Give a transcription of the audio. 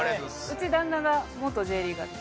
うち旦那が元Ｊリーガーです。